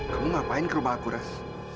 kamu ngapain ke rumah aku ras